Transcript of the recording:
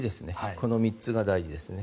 この３つが大事ですね。